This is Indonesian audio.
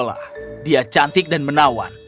seolah dia cantik dan menawan